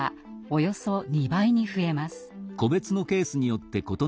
およそ２倍に増えます。